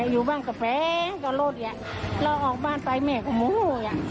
อยู่บ้างกระแฟกระโลดแหทฯแล้วออกบ้านไปแม่เกาะโอ้ยอ่ะ